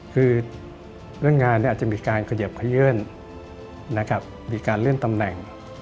คือเรื่องงานอาจจะมีการเขยิบขยื่นนะครับมีการเลื่อนตำแหน่ง